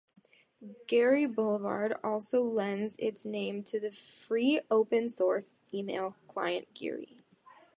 Geary Boulevard also lends its name to the free open source email client Geary.